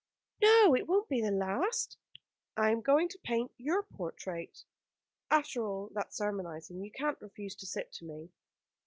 "No, it won't be the last." "I am going to paint your portrait. After all that sermonising you can't refuse to sit to me."